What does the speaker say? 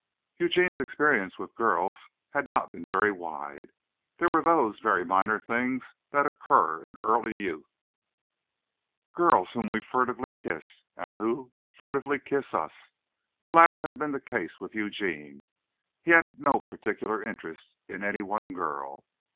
Eugene's experience with girls had not been very wide. There were those very minor things that occur in early youth girls whom we furtively kiss, or who furtively kiss us the latter had been the case with Eugene. He had no particular interest in any one girl.